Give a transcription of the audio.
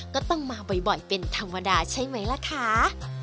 ก็ต้องมาบ่อยเป็นธรรมดาใช่ไหมล่ะคะ